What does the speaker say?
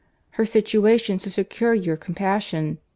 Her situation should secure your compassion.